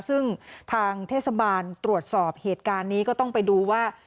ซึ่งทางเทศบาลตรวจสอบเหตุการณ์นี้ก็ต้องไปดูว่า